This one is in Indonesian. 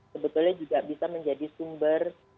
sebetulnya juga bisa menjadi sumber